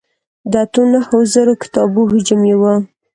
د اتو نهو زرو کتابو حجم یې و.